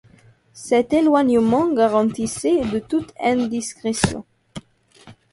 Cet éloignement garantissait de toute indiscrétion.